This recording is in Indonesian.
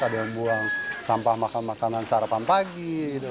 ada yang buang sampah makanan makanan seharapan pagi